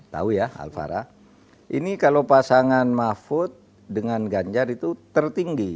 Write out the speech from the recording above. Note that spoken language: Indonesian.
tahu ya alfara ini kalau pasangan mahfud dengan ganjar itu tertinggi